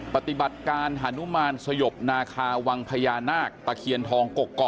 ปฏิบัติการหานุมานสยบนาคาวังพญานาคตะเคียนทองกกอก